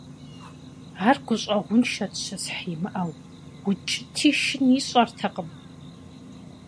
Ар гущӀэгъуншэт щысхь имыщӀэу, укӏыти шыни ищӏэртэкъым.